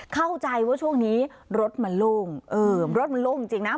เข้าใจว่าช่วงนี้รถมันโล่งเออรถมันโล่งจริงนะ